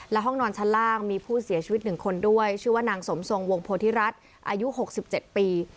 และห้องนอนชั้นล่างมีผู้เสียชีวิต๑คนด้วยชื่อว่านางสมทรงวงโพธิรัฐอายุ๖๗ปี